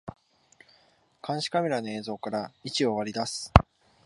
監視カメラの映像から位置を割り出す